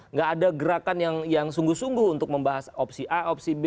nggak ada gerakan yang sungguh sungguh untuk membahas opsi a opsi b